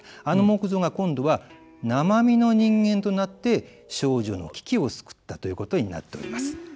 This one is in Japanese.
あの木像が今度は生身の人間となって丞相の危機を救ったということになっております。